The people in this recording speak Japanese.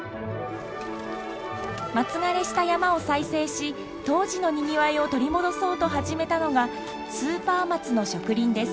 松枯れした山を再生し当時のにぎわいを取り戻そうと始めたのがスーパー松の植林です。